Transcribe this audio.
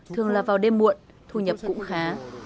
thường là vào đêm muộn thu nhập cũng khá